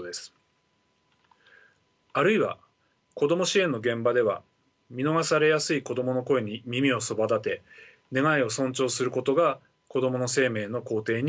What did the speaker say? あるいは子ども支援の現場では見逃されやすい子どもの声に耳をそばだて願いを尊重することが子どもの生命の肯定になります。